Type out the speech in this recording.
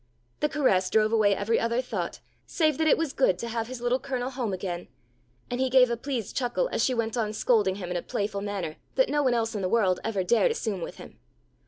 The caress drove away every other thought save that it was good to have his little Colonel home again, and he gave a pleased chuckle as she went on scolding him in a playful manner that no one else in the world ever dared assume with him.